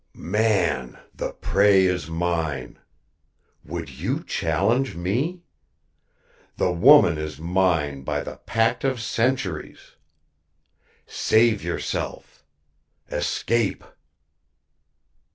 "Man, the prey is mine. Would you challenge me? The woman is mine by the pact of centuries. Save yourself. Escape."